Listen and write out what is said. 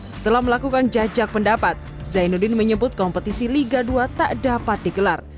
setelah melakukan jajak pendapat zainuddin menyebut kompetisi liga dua tak dapat digelar